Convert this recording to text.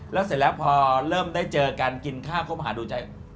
แล้วเสร็จแล้วพอเริ่มได้เจอกันกินข้าวคบหาดูใจ